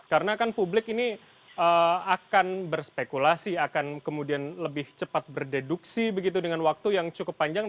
karena kan publik ini akan berspekulasi akan kemudian lebih cepat berdeduksi begitu dengan waktu yang cukup panjang